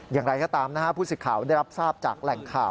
อย่างไรก็ตามนะฮะผู้สิทธิ์ข่าวได้รับทราบจากแหล่งข่าว